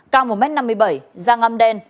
cao một m năm mươi bảy da ngăm đen